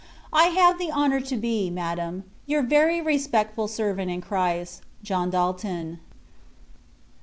I have the honour to be, Madam, Your very respectful Servant in Christ, JOHN PALTON.